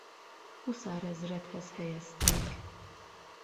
Huszárezredhez helyezték.